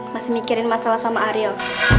masih mikirin masalah sama ariel